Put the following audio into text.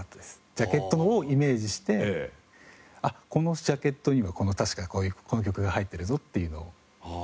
ジャケットをイメージして「あっこのジャケット確かこの曲が入ってるぞ」っていうのを。